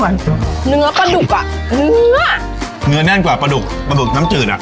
เนื้อปลาดุกอ่ะเนื้อเนื้อแน่นกว่าปลาดุกปลาดุกน้ำจืดอ่ะ